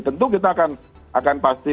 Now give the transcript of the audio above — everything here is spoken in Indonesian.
tentu kita akan pasti